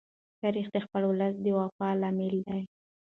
تاریخ د خپل ولس د وفا لامل دی.